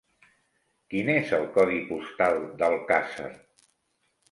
Quin és el codi postal d'Alcàsser?